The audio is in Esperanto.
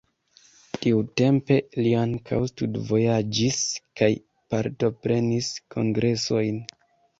Tiutempe li ankaŭ studvojaĝis kaj partoprenis kongresojn.